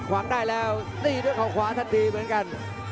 หวังได้แล้วตี้ด้วยเขาขวาทันทีเหมือนกัน